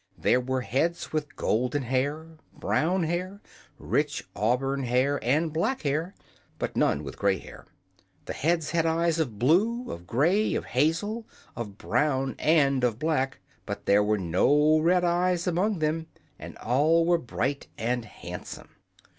There were heads with golden hair, brown hair, rich auburn hair and black hair; but none with gray hair. The heads had eyes of blue, of gray, of hazel, of brown and of black; but there were no red eyes among them, and all were bright and handsome.